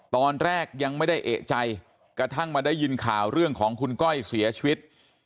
ตอนแรกยังไม่ได้เอกใจกระทั่งมาได้ยินข่าวเรื่องของคุณก้อยเสียชีวิต